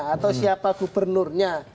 atau siapa gubernurnya